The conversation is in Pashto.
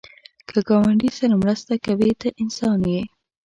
که ګاونډي سره مرسته کوې، ته انسان یې